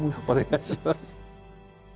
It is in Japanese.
お願いします。